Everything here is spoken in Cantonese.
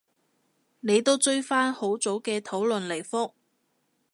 你都追返好早嘅討論嚟覆